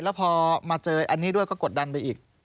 แล้วพอมาเจออันนี้ด้วยก็กดดันไปอีก